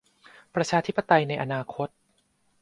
ประชาธิปไตยในอนาคต